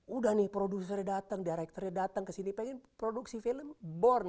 udah nih produsernya datang directornya datang ke sini pengen produksi film born